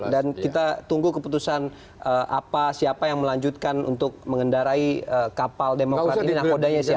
dan kita tunggu keputusan apa siapa yang melanjutkan untuk mengendarai kapal demokrat ini nah kodanya siapa